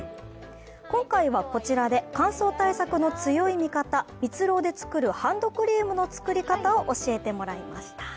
今回は、こちらで乾燥対策の強い味方、蜜ろうで作るハンドクリームの作り方を教えてもらいました。